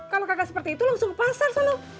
kalo kagak seperti itu lo langsung ke pasar